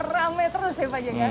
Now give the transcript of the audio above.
rame terus ya pak jk